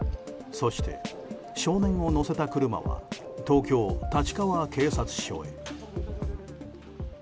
そして、少年を乗せた車は東京・立川警察署へ。